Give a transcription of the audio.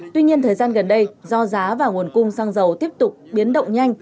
tuy nhiên thời gian gần đây do giá và nguồn cung xăng dầu tiếp tục biến động nhanh